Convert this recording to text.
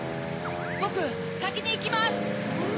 ・ボクさきにいきます。